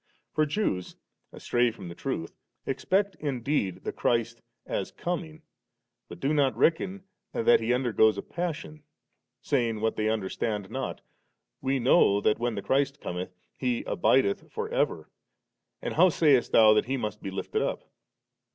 For Jews, astray ftom the truth, expect indeed the Christ as coming, but do not reckon that He undergoes a passion, saying what they understand not; 'We know tiiat, when the Christ cometh, He abideth for ever, and how sayest Thou, that He must be lifted up •